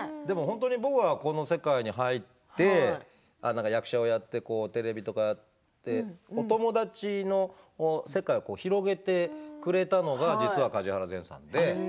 僕がこの世界に入って役者をやって、テレビとかでお友達の世界を広げてくれたのが実は、梶原善さんで。